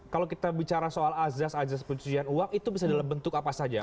kalau kita bicara soal azas azas pencucian uang itu bisa dalam bentuk apa saja